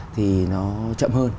thì nó chậm hơn